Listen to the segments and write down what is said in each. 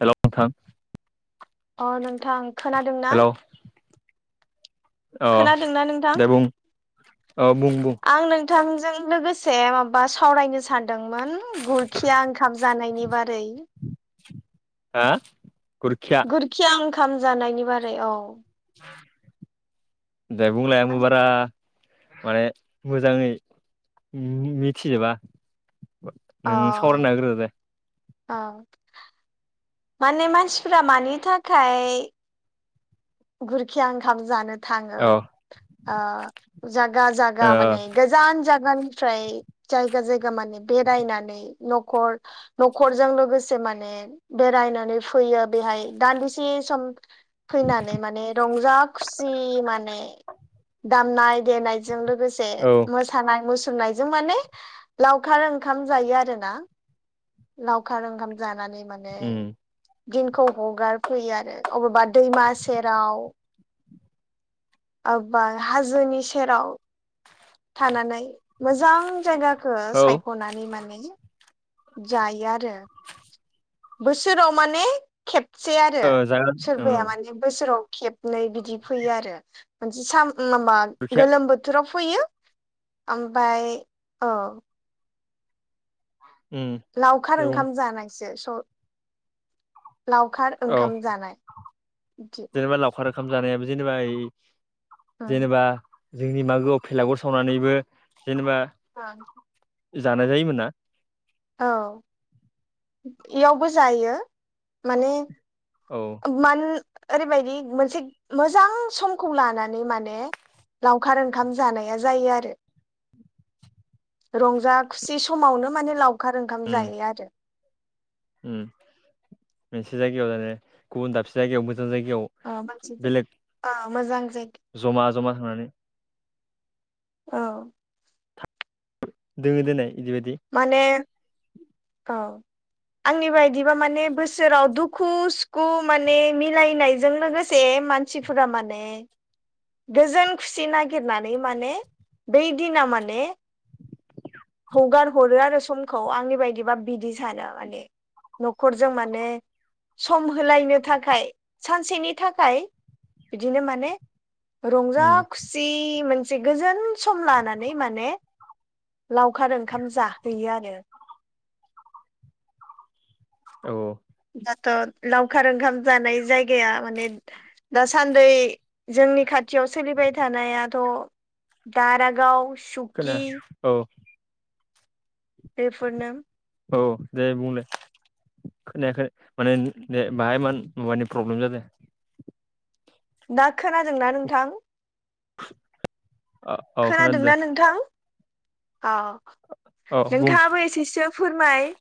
Hello नोंथां अ नोंथां खोनादों ना? हेल' अ खोनादोंना नोंथां? दे बुं औ बुं बुं आं नोंथांजों लोगोस से माबा सावरायनो सानदोंमोन गुरखिया ओंखाम जानायनि बारै। हा गुरखिया गुरखिया ओंखाम जानायनि बारै औ। दे बुंलाय आंबो बारा माने मोजाङै मि-मिथिजोबा। नों अ सावरायना होग्रो दे। औ माने मानसिफ्रा मानि थाखाय गुरखिया ओंखाम जानो थाङो औ ओ जागा जागा ओ माने गोजान जा गानिफ्राय जायगा जायगा माने बेरायनानै नख'र नख'जों लोगोसे माने बेरायनानै फैयो बेहाय दान्दिसे सम फैनानै माने रंजा खुसि माने दामनाय देनाय जों लोगोसे औ मोसानाय मु सुरनायजों माने लावखार ओंखाम जायो आरोना। लावखार ओंखाम जानानै माने उम दिनखौ हगारफैयो आरो अबेबा दैमा सेराव अबबा हाजोनि सेराव थानानै। मोजां जायगाखौ औ सायख'नानै माने जायो आरो। बोसोराव माने खेबसे आरो ओ जागोन उम सोरबाया माने बोसोराव खेबनै बिदि फैयो आरो मोनसे सा माबा गुरखिया गोलोम बोथोराव फैयो ओमफाय औ उम लावखार दे बुं ओंखाम जानायासो स लावखार औ ओंखाम जानाय। बिदि जेनेबा लावखार ओंखाम जानायाबो जेनेबा ऐ उम जेनेबा जोंनि मागोआव फेलागुर सावनानैबो जेनेबा आं जानाय जायोमोन ना। औ इयावबो जायो। माने औ मान ओरैबायदि मोनसे मोजां समखौ लानानै माने लावखार ओंखाम जानाया जायो आरो। रंजा खुसि समावनो माने लावखार ओंखाम जायो आरो। ओम मोनसे जायगायाव जायो गुबुन दाबसे जायगायावबो गोजान जायगायाव औ बेलेग मोजां जायगा जमा जमा थांनानै औ। दोङो दोनै माने औ। आंनि बायदिबा माने बोसोराव दुखु सुखु माने मिलायनायजों लोगोसे मानसिफोरा माने गोजोन खुसि नागिरनानै माने बै दिना माने हगार हरो आरो समखौ आंनि बायदिबा बिदि सानो माने न'खरजों माने सम होलायनो थाखाय सानसेनि थाखाय बिदिनो माने औ रंजा खुसि मोन से गोजोन सम लानानै माने लावखार ओंखाम जाहैयो आरो। औ। दाथ' लावखार ओंखाम जानाय जायगाया माने दासान्द जोंनि खा टियाव सोलिबाय थानायाथ' दारागाव खोना सुकि औ। बेफोर नो‌ औ दे बुंलाय। खोनायाखै माने बाहाय मा-मबाइनि प्रब्लेम जादों। दा खोनादोंना नोंथां? औ खोनादों दे खोनादोंना नोंथां? औ औ बुं नोंथाङाबो एसेसो फोरमाय।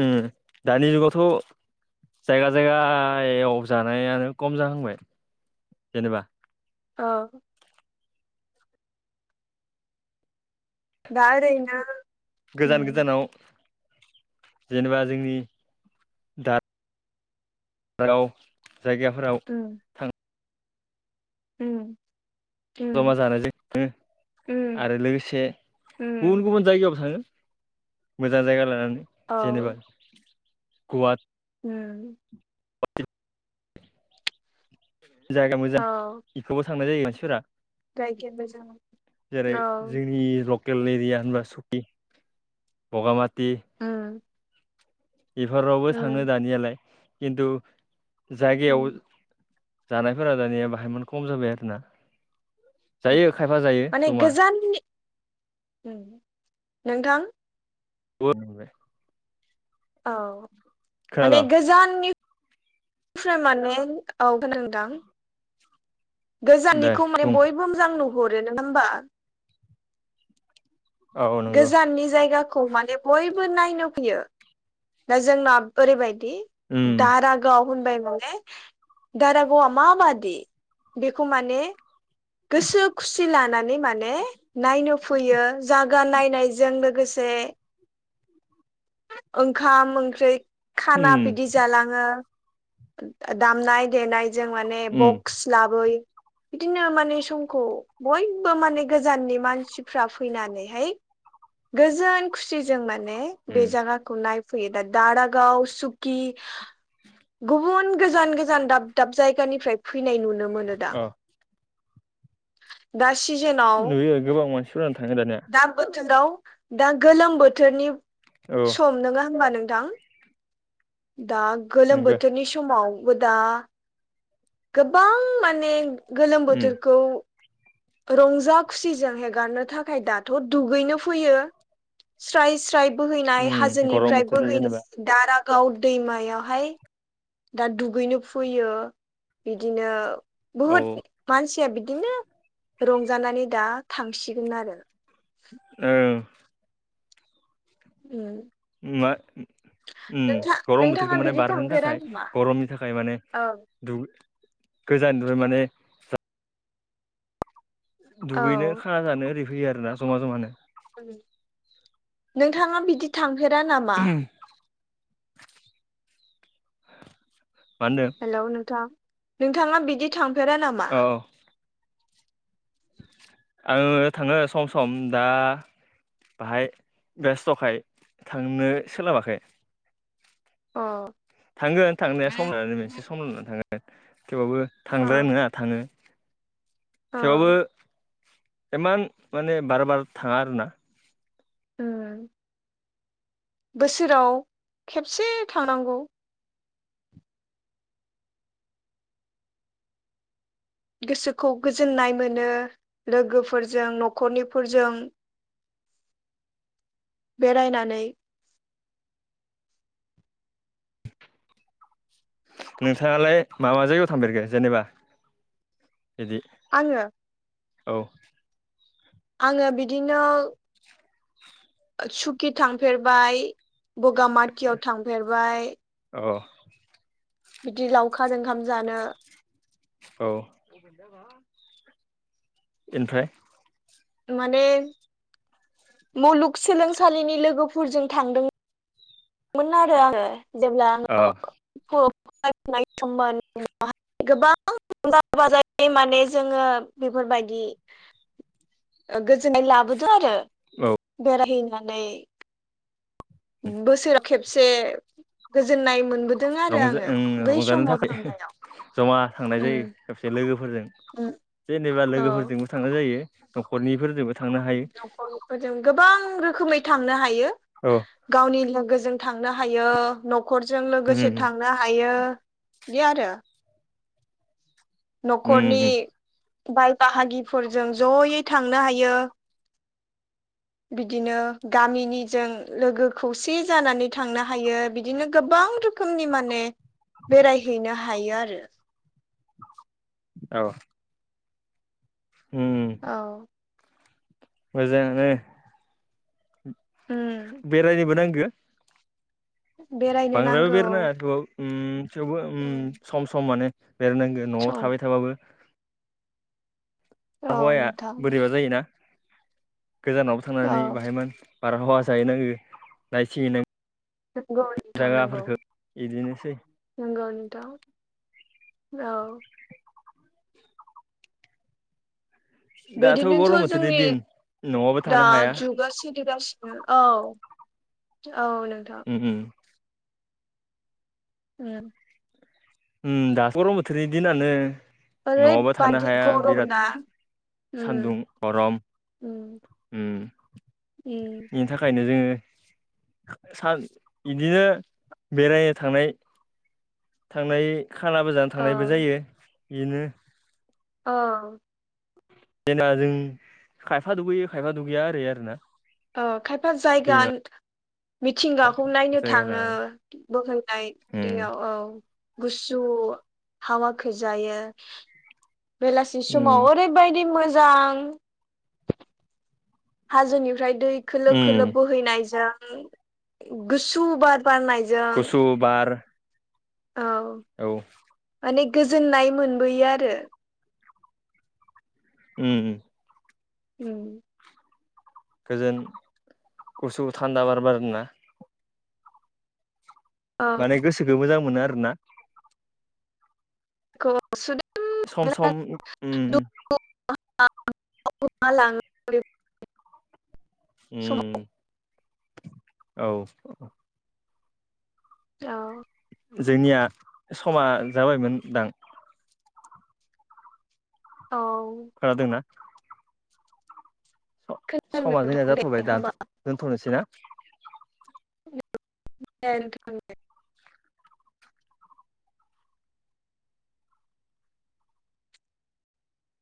उ दानि जुगावथ' जायगा जायगायाव जानायानो खम जाहांबाय जेनेबा। औ। दा ओरैनो गोजान उम गोजानाव जेनेबा जोंनि राव जायगाफोराव उम थां उम जमा उम जानायजों उम आरो लोगोसे उम गुबुन गुबुन जायगायाव थाङो। मोजां जायगा लानानै औ। गुवाद ओं [unintelligible] जायगा मोजां औ बेखौबो थांनाय जायो मानसिफोरा। जायखिबो जों जेरै औ जोंनि र लकेल एरिया होनबा सुखि बगामा उम बेफोरावबो थाङो उम दानियालाय खिन्थु जायगायाव उम जानायफोरा दानिया बाहायमोन खम जाबाय आरोना। जायो खायफा जायो माने जमा। गोजाननि उम नोंथां [unintelligible] औ माने खोनादों गोजाननि फ्राय माने औ खोनादों नोंथां। दे गोजाननिखौ माने बुं बयबो मोजां नुहरो नङा होमबा? औ नंगौ गोजाननि जायगाखौ माने बय बो नायनो फैयो दा जोंना ओरैबायदि उम दारागाव होनबाय माने दारागावआ माबादि बेखौ माने गोसो खुसि लानानै माने नायनो फैयो जा गा नायनायजों लोगोसे ओंखाम ओंख्रै खाना उम बिदि जालाङो दामनाय देनाय जों माने उम बक्स लाबोय बिदिनो मा ने समखौ बयबो माने गोजाननि मानसिफ्रा फैनानैहाय गोजोन खुसिजों माने उम बे जागाखौ नाय फैयो दा दारागाव सुखि गुबुन गोजान गोजान दाब दाब जायगानिफ्राय फैनाय नुनो मोनो दा। अ दा सिजेनाव नुयो गोबां मानसिफोरानो थाङो दानिया दा बोथोराव दा गोलोम बोथोरनि औ सम नोङा होनबा नोंथां? दा गोलोम नंगौ बोथोरनि समावबो दा गोबां माने गोलोम उम बोथोरखौ रंजा खुसिजों हेगारनो थाखाय दाथ' दुगैनो फैयो। स्राय स्राय बोहैनाय उम गरम हाजोनिफ्राय बोथोरनि बोहै जेनेबा दारागाव दैमायावहाय दा दुगैनो फैयो बिदिनो औ बहुत मानसि या बिदिनो रंजानानै दा थांसिगोन आरो। औ। ओम। ओम मा ओम ओम गरम नोंथाङा बोथोरखौ माने बिदि बारहोनो थांफेरा थाखाय नामा गरमनि थाखाय माने औ दुग गोजाननिफ्राय माने [unintelligible] दुगैनो औ खाना जानो ओरै फैयो आरोना जमा जमानो। नोंथाङा बिदि थांफेरा नामा? होनदों हेलौ नोंथां नोंथाङा बिदि थांफेरा नामा? औ औ आङो थाङो सम सम दा बाहाय बेस्थखाय थांनो सोलाबाखै अ थांगोन थांनाया सम लानानै मोनसे सम लानानै थांगोन थेवबाबो अ थांदायनाय नङा थाङो थेवबो अ इमान माने बार बार थाङा आरोना ओम बोसोराव खेबसे थांनांगौ गोसोखौ गोजोननाय मोनो लोगोफोरजों न'खरनिफोरजों बेरायनानै नोंथाङालाय माबा जायगायाव थांफेरगो जेनेबा बिदि आङो औ आङो बिदिनो सुकि थांफेरबाय बगामाथियाव थांफेरबाय औ बिदि लावखार ओंखाम जानो औ ओनिफ्राय माने मुलुगसोलोंसालिनि लोगोफोरजों थांदों मोन आरो आङो जेब्ला अ आङो [unintelligible] [unintelligible] माने जोङो बेफोरबायदि ओ गोजोननाय लाबोदो आरो औ बेरायहैनानै बोसोराव खेबसे गोजोननाय मोनबोदों आरो रंजा आङो बै रंजानो समाव थाखाय थांनायाव जमा थांनाय उम जायो सबसे लोगोफोर फोरजों उम जेनेबा औ लोगोफोरजोंबो थांनाय जायो न'खरनिफोरजोंबो थांनो हायो नखरफोरजों गोबां रोखोमै थांनो हायो गावनि लोगोजों थांनो हायो न'खरजों उम लोगोसे थांनो हायो बिदि आरो उम न'खरनि उम बाय बाहागिफोरजों जयै थांनो हायो बिदिनो गामिनिजों लोगो खौसे जानानै थांनो हायो बिदिनो गोबां रोखोमनि माने बेरायहैनो हायो आरो औ औ मोजांआनो उम बेरायनोबो नांगौ बेरायनो बांद्रायल' नांगौ बेरायनाङा थ' ओम थेवबो ओम सम सम माने बेरायनांगोन न'आव सम थाबाय थाबाबो औ आबहावाया नोंथां बोरैबा जायोना गोजानावबो थांनानै औ बाहायमोन बारहावा जाहैनांगो नायथिंहैनां नोंगौ नोथां नगौ। इदिनोसै नोंगौ नों थां औ। दाथ' गरम बिदिनोथ' बोथोरनि जोंनि दिन न'आवबो दा थानो हाया जुगा सोलिगासिनो। औ औ नोंथां। उम उम उम उम दाथ' गरम बोथोरनि दिनानो। न'आवबो थानो ओरैबादि हाया गरम बिराद ना उम सान्दुं गरम। उम उम बेनि थाखायनो जोङो सान इदिनो बेरायनो थांनाय। थांनाय खानाबो जानो औ थांनायबो जायो बेनो। अह। जेना जों खायफा दुगैयो खायफा दुगैया ओरै आरोना। ओ खायफा जायगा दैमा मिथिंगाखौ नायनो जायगा थाङो लानानै बोहैनाय उम दैयाव औ। गुसु हावाखो जायो। बेलासि उम समाव ओरैबायदि मोजां हाजोनिफ्राय दै खोलो उम खोलो बोहैनायजों गुसु बार बारनायजों। गुसु बार औ औ माने गोजोननाय मोनबोयो आरो। उम उम गोजोन गुसु थान्दा बार बारोना औ माने गोसोखो मोजां मोनो आरोना। बेखौ सम सम अम [unintelligible] समाव अम औ औ जोंनिया समा जाबायमोनदां औ खोनादोंना खोनादों स-समा जोंनिया नोंथां दे जाथ'बाय दानथ' होमबा दोन्थ'नोसै ना [unintelligible]